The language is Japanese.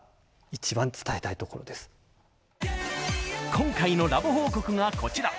今回のラボ報告がこちら。